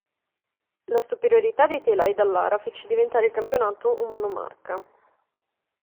La superiorità dei telai Dallara fece diventare il campionato un monomarca.